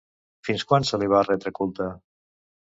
Fins quan se li va retre culte?